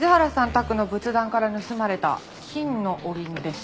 宅の仏壇から盗まれた金のお鈴です。